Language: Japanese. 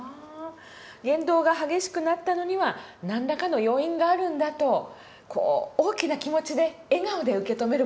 言動が激しくなったのには何らかの要因があるんだとこう大きな気持ちで笑顔で受け止める事大事ですね。